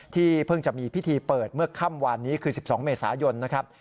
ที่เพิ่งจะมีพิธีเปิดเมื่อค่ำวานนี้คือ๑๒เมษายนนะครับ